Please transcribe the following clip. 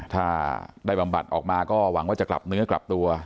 ถ้าได้บำบัดออกมาก็หวังว่าจะกลับเนื้อกลับตัว